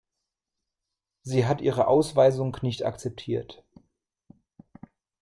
Sie hat ihre Ausweisung nicht akzeptiert.